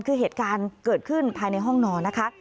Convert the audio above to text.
คือเหตุการณ์เกิดขึ้นภายในห้องนอนนะคะ